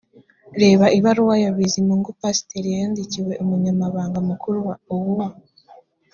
reba ibaruwa ya bizimungu pasiteri yandikiwe umunyamabanga mukuru wa oua